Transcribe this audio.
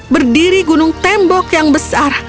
berdiri gunung tembok yang besar